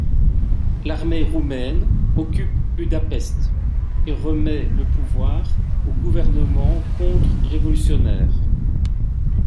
L'armée roumaine occupe Budapest et remet le pouvoir au gouvernement contre-révolutionnaire.